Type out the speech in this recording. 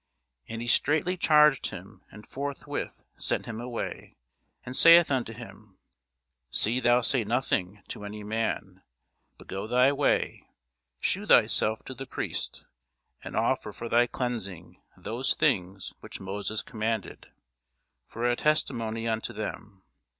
And he straitly charged him, and forthwith sent him away; and saith unto him, See thou say nothing to any man: but go thy way, shew thyself to the priest, and offer for thy cleansing those things which Moses commanded, for a testimony unto them.